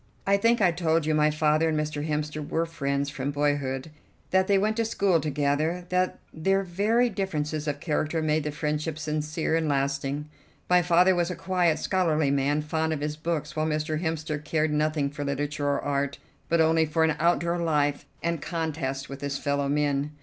I think I told you my father and Mr. Hemster were friends from boyhood; that they went to school together; that their very differences of character made the friendship sincere and lasting. My father was a quiet, scholarly man, fond of his books, while Mr. Hemster cared nothing for literature or art, but only for an outdoor life and contest with his fellow men.